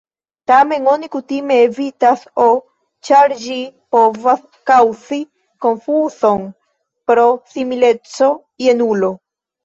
Tamen oni kutime evitas "o" ĉar ĝi povas kaŭzi konfuzon pro simileco je nulo.